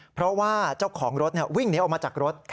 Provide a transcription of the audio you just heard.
เพราะว่าเจ้าของรถวิ่งหนีออกมาจากรถ